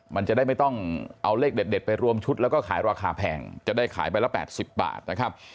มันจะได้ไม่ต้องเอาเลขเด็ดไปรวมชุดแล้วก็ขายราคาแพงจะได้ขายใบละ๘๐บาทนะครับ